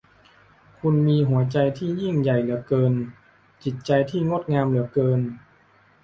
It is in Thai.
คุณมีหัวใจที่ยิ่งใหญ่เหลือเกิน จิตใจที่งดงามเหลือเกิน